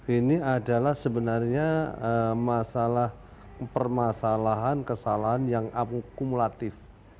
ini adalah sebenarnya masalah permasalahan kesalahan yang akumulatif